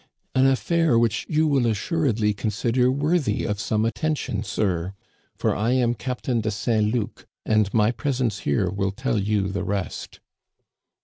" An affair which you will assuredly consider worthy of some attention, sir, for I am Captain de Saint Luc, and my presence here will tell you the rest."